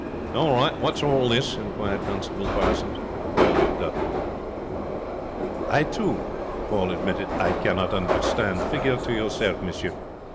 'What's all this?' inquired Constable Parsons. Paul looked up. 'I too,' he admitted, 'I cannot understand. Figure to yourself, monsieur.